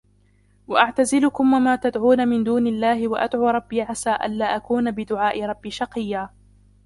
وَأَعْتَزِلُكُمْ وَمَا تَدْعُونَ مِنْ دُونِ اللَّهِ وَأَدْعُو رَبِّي عَسَى أَلَّا أَكُونَ بِدُعَاءِ رَبِّي شَقِيًّا